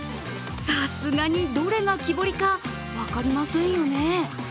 さすがに、どれが木彫りか分かりませんよね。